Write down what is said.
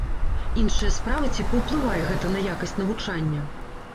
Іншая справа, ці паўплывае гэта на якасць навучання?